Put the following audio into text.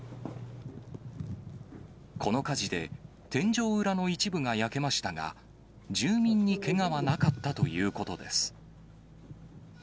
この火事で天井裏の一部が焼けましたが、住民にけがはなかったということです。